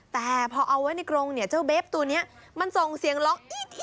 แต่พอเอาไว้ในกรงเนี่ยเจ้าเบฟตัวนี้มันส่งเสียงร้อง